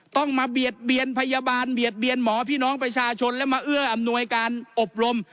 ต้องมาเบียดเบียนพยาบาลเบียดเบียนหมอพี่น้องประชาชนและมาเอื้ออำนวยการอบรม